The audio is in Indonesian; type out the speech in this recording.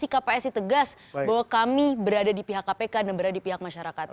sikap psi tegas bahwa kami berada di pihak kpk dan berada di pihak masyarakat